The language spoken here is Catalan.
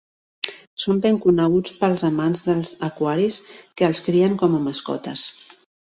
Són ben coneguts pels amants dels aquaris que els crien com a mascotes.